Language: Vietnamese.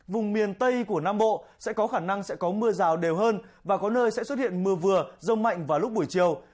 vùng miền tây của nam bộ sẽ có khả năng sẽ có mưa rào đều hơn và có nơi sẽ xuất hiện mưa vừa rông mạnh vào lúc buổi chiều